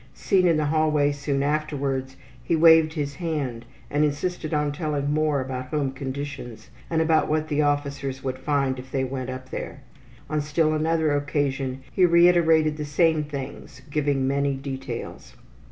Seen in the hallway soon afterwards he waved his hand and insisted on telling more about home conditions and about what the officers would find if they went up there. On still another occasion he reiterated the same things, giving many details.